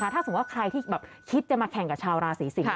ถ้าสมมุติว่าใครที่คิดจะมาแข่งกับชาวราศีสิงศ